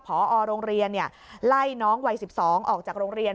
พอโรงเรียนไล่น้องวัย๑๒ออกจากโรงเรียน